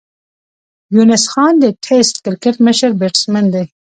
یونس خان د ټېسټ کرکټ مشر بېټسمېن دئ.